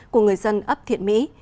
của người dân ấp thiện mỹ